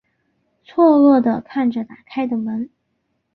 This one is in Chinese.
错愕的看着打开的门